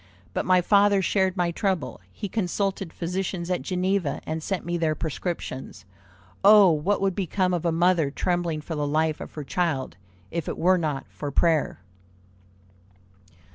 But my father shared my trouble; he consulted physicians at Geneva, and sent me their prescriptions. Oh, what would become of a mother trembling for the life of her child, if it were not for prayer!"